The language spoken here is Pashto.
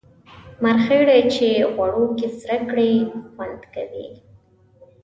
مرخیړي چی غوړو کی سره کړی خوند کوي